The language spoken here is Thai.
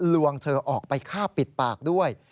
ลวงเธอออกไปฆ่าปิดปากด้วย